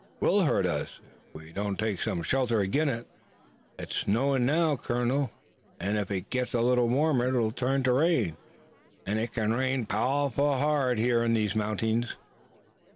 "It will hurt us, ef we don't take some shelter ag'in it. It's snowin' now, colonel, an' ef it gits a little warmer it'll turn to rain, an' it kin rain pow'ful hard in these mountings."